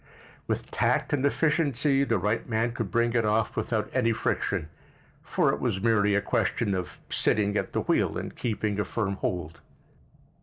With tact and efficiency the right man could bring it off without any friction, for it was merely a question of sitting at the wheel and keeping a firm hold.